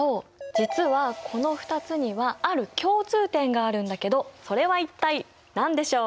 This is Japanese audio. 実はこの２つにはある共通点があるんだけどそれは一体何でしょう？